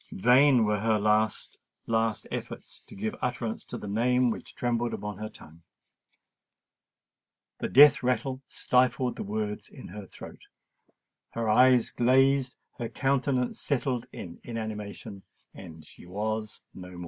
Vain were her last, last efforts to give utterance to the name which trembled upon her tongue: the death rattle stifled the words in her throat—her eyes glazed—her countenance settled in inanimation—and she was no more!